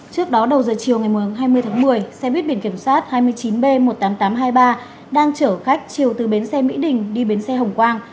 trước đó đầu giờ chiều ngày hai mươi tháng một mươi xe buýt biển kiểm soát hai mươi chín b một mươi tám nghìn tám trăm hai mươi ba đang chở khách chiều từ bến xe mỹ đình đi bến xe hồng quang